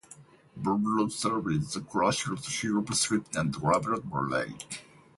Bobrov survived the crash as he overslept and travelled by rail.